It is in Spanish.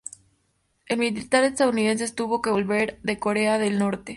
El militar estadounidense tuvo que volver de Corea del Norte.